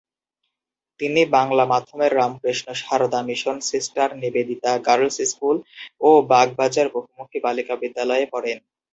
তিনি বাংলা মাধ্যমের Ramakrishna Sarada mission sister Nivedita girls school ও বাগবাজার বহুমুখী বালিকা বিদ্যালয়ে পড়েন।